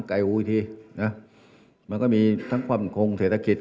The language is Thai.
ไก่หูอีกทีนะมันก็มีทั้งความคงเศรษฐกิจ